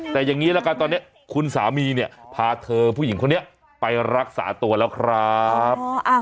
แต่อย่างนี้ละกันตอนนี้คุณสามีเนี่ยพาเธอผู้หญิงคนนี้ไปรักษาตัวแล้วครับ